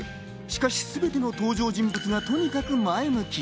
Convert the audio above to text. しかし、すべての登場人物たちがとにかく前向き。